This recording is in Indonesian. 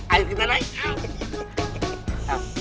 aduh kita naik